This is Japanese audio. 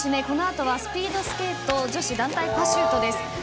このあとはスピードスケート女子団体パシュートです。